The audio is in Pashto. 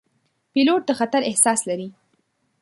پیلوټ د خطر احساس لري.